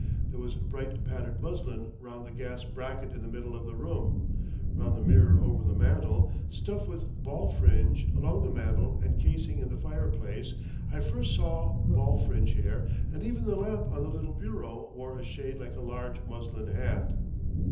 There was bright patterned muslin round the gas bracket in the middle of the room, round the mirror over the mantel, stuff with ball fringe along the mantel and casing in the fireplace,—I first saw ball fringe here—and even the lamp on the little bureau wore a shade like a large muslin hat.